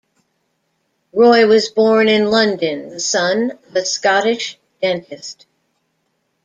Roy was born in London, the son of a Scottish dentist.